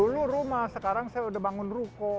dulu rumah sekarang saya udah bangun ruko